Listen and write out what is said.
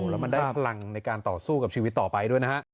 แล้วมันได้พลังในการต่อสู้กับชีวิตต่อไปด้วยนะฮะ